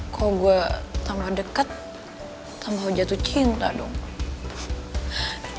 kalau saya tambah dekat tambah jatuh cinta boy